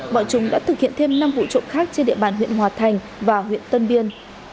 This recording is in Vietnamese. bọn chúng đã thực hiện thêm năm vụ trộm khác trên địa bàn huyện hòa thành và huyện tân biên